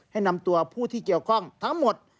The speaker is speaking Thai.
ให้นำตัวผู้ที่เกี่ยวข้องทั้งหมด